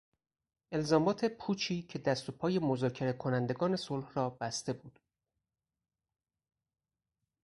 الزامات پوچی که دست و پای مذاکره کنندگان صلح را بسته بود